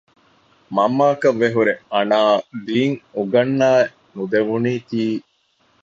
މަންމައަކަށްވެ ހުރެ އަނާއަށް ދީން އުނގަންނައި ނުދެވުނަތީ